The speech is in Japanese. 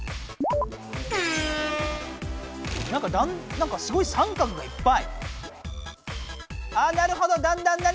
なんかすごい三角がいっぱい。